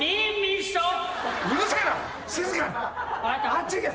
あっち行け。